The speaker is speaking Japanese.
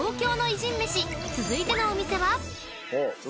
［続いてのお店は？］